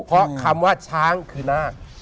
เพราะคำว่าช้างคือนาค